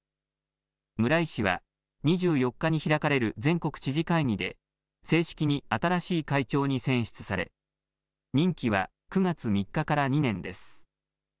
村井氏は、２４日に開かれる全国知事会議で、正式に新しい会長に選出され、任期は９月３日から２年です。